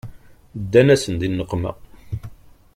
Ddan-asen di nneqma.